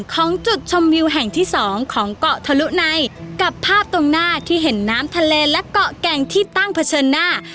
ของจุดชมวิวแห่งที่สองของเกาะทะลุในกับภาพตรงหน้าที่เห็นน้ำทะเลและเกาะแก่งที่ตั้งเผชิญหน้า